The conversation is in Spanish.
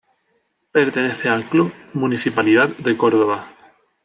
Pertenece al club Municipalidad de Córdoba.